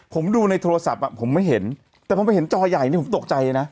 ผมดูในโทรศัพท์อ่ะผมไม่เห็นแต่พอไปเห็นจอใหญ่นี่ผมตกใจนะ